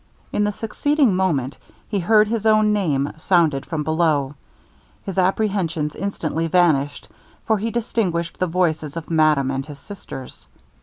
In the succeeding moment he heard his own name sounded from below. His apprehensions instantly vanished, for he distinguished the voices of madame and his sisters.